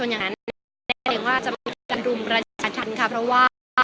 อย่างนั้นทันทรัพย์คือรุมระใจทันค่ะเพราะว่า